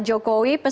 kalau kita lihat